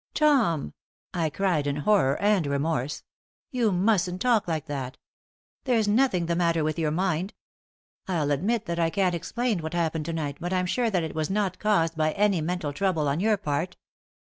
"Tom!" I cried, in horror, and remorse. "You mustn't talk like that. There's nothing the matter with your mind. I'll admit that I can't explain what happened to night, but I'm sure that it was not caused by any mental trouble on your part.